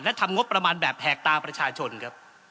และทำงบประมาณแบบแหกตาประชาชนครับ